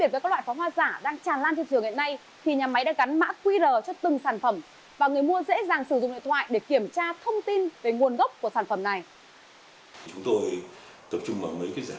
vâng trên tên tôi là dàn pháo hoa chính hãng do nhà máy z một trăm hai mươi một sản xuất